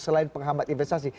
selain penghambat investasi